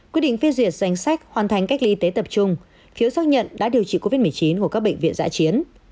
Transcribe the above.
giấy chứng nhận nghỉ việc hoàn thành cách ly y tế tập trung phiếu xác nhận đã điều trị covid một mươi chín của các bệnh viện dã chiến